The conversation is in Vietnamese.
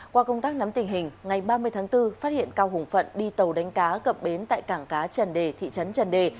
qua công tác nắm tình hình ngày ba mươi tháng bốn phát hiện cao hùng phận đi tàu đánh cá cập bến tại cảng cá trần đề thị trấn trần đề